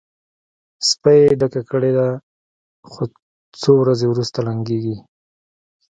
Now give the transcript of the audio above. سپۍ یې ډکه کړې ده؛ څو ورځې روسته لنګېږي.